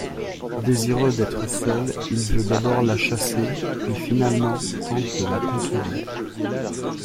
Désireux d'être seul, il veut d'abord la chasser, puis finalement, tente de la conquérir.